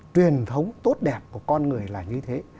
truyền thống tốt đẹp của con người là như thế